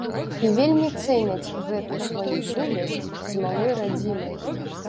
І вельмі цэняць гэту сваю сувязь з малой радзімай.